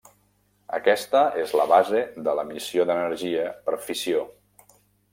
Aquesta és la base de l'emissió d'energia per fissió.